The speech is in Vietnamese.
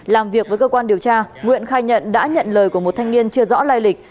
làm việc với cơ quan điều tra nguyễn khai nhận đã nhận lời của một thanh niên chưa rõ lai lịch